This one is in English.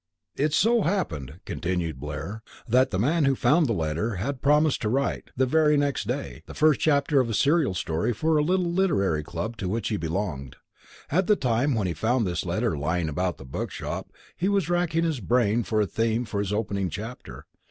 "It so happened," continued Blair, "that the man who found the letter had promised to write, the very next day, the first chapter of a serial story for a little literary club to which he belonged. At the time when he found this letter lying about the bookshop he was racking his brain for a theme for his opening chapter.